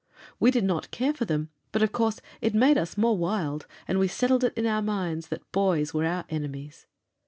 We did not care for them, but of course it made us more wild, and we settled it in our minds that boys were our enemies.